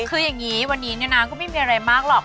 คืออย่างนี้วันนี้เนี่ยนะก็ไม่มีอะไรมากหรอก